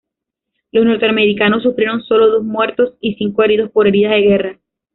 Los norteamericanos sufrieron sólo dos muertos y cinco heridos por heridas de guerra.